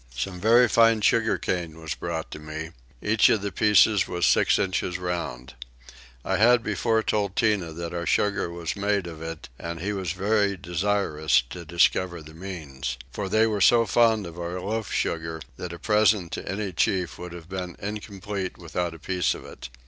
Some very fine sugarcane was brought to me; each of the pieces was six inches round. I had before told Tinah that our sugar was made of it and he was very desirous to discover the means; for they were so fond of our loaf sugar that a present to any chief would have been incomplete without a piece of it.